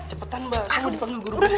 cepetan mbak aku dipanggil guru petunjuk